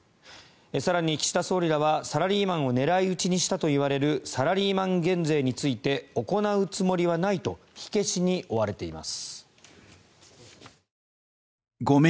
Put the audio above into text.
更に岸田総理らはサラリーマンを狙い撃ちにしたといわれるサラリーマン増税について行うつもりはないと火消しに追われています。